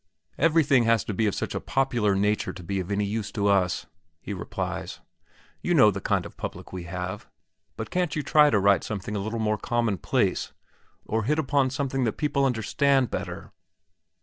"Everything has to be of such a popular nature to be of any use to us," he replies; "you know the kind of public we have. But can't you try and write something a little more commonplace, or hit upon something that people understand better?"